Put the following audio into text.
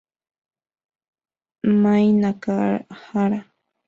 Mai Nakahara